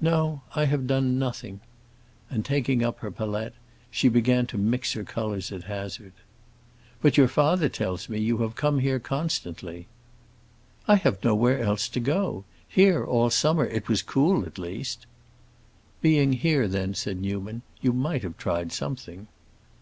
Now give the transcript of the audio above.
"No, I have done nothing." And taking up her palette, she began to mix her colors at hazard. "But your father tells me you have come here constantly." "I have nowhere else to go! Here, all summer, it was cool, at least." "Being here, then," said Newman, "you might have tried something."